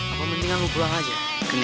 apa mendingan gua pulang aja ke nancy